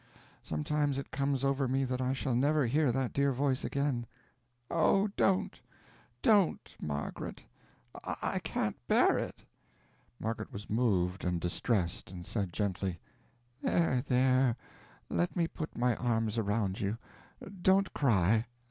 Sometimes it comes over me that I shall never hear that dear voice again." "Oh, don't don't, Margaret! I can't bear it!" Margaret was moved and distressed, and said, gently: "There there let me put my arms around you. Don't cry.